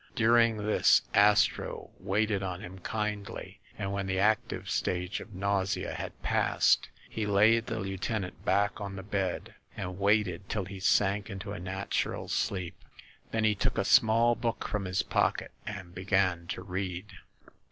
During this Astro waited on him kindly, and when the active stage of nausea had passed he laid the lieutenant back on the bed and waited till he sank into a natural sleep. Then he took a small book from his pocket and began to read.